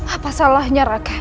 apa salahnya raka